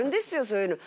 そういうの。